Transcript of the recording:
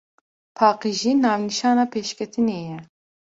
Paqijî navnîşana pêşketinê ye.